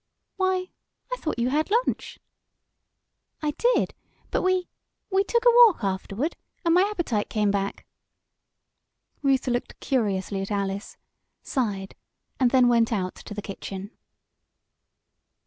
"Why, I thought you had lunch." "I did, but we we took a walk afterward, and my appetite came back." Ruth looked curiously at Alice, sighed and then went out to the kitchen.